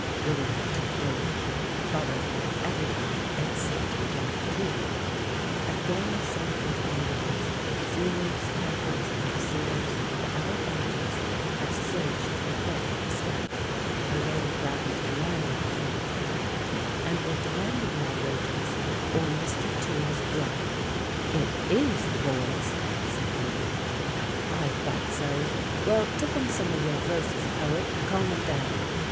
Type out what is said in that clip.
Willy went to the door, followed by everybodj^ excepting Johnny Teale. A gang of some fifty niggers, Zulus, Kaffirs, and Basutos, of all ages, had surged to the foot of the stoep — a low, grav elled veranda before the club — and were demand ing their wages, or Mr. Teale's blood. "It is the Boys," said Willy. "I thought so. Well, tip 'em some of your verses, poet, and calm 'em down!"